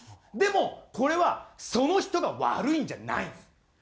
でもこれはその人が悪いんじゃないんです。